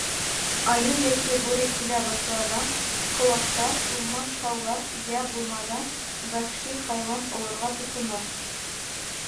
Айыу йәки бүре килә башлаҙа, ҡыуаҡтар, урман шаулар йә булмаҙа вәхши хайуан олорға тотонор.